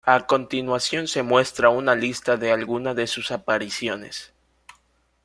A continuación se muestra una lista de algunas de sus apariciones.